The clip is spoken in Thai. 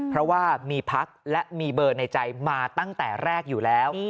เพราะว่ามีพักและมีเบอร์ในใจมาตั้งแต่แรกอยู่แล้ว